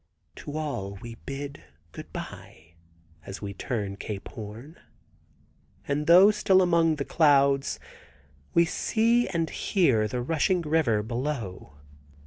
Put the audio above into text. To all we bid good bye, as we turn Cape Horn, and though still among the clouds, we see and hear the rushing river below.